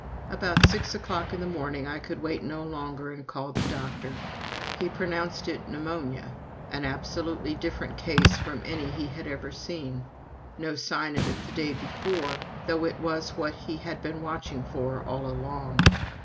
About six o'clock in the morning I could wait no longer and called the doctor. He pronounced it pneumonia an absolutely different case from any he had ever seen: no sign of it the day before, though it was what he had been watching for all along.